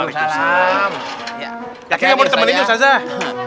ya kayaknya nggak mau ditemenin ustazah